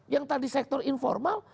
yang tadi sektor informal